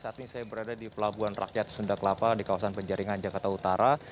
saat ini saya berada di pelabuhan rakyat sunda kelapa di kawasan penjaringan jakarta utara